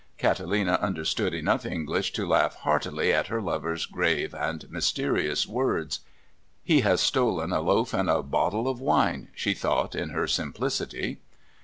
Catalina understood enough English to laugh heartily at her lover's grave and mysterious words. "He has stolen a loaf and a bottle of wine," she thought in her simplicity.